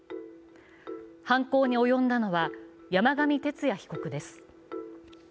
犯行に及んだのは山上徹也被告です。